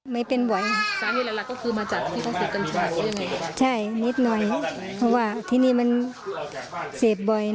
ไม่เป็นบ่อย